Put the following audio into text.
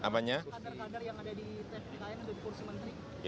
kader kader yang ada di tkn untuk kursi menteri